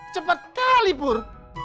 cepat kali pur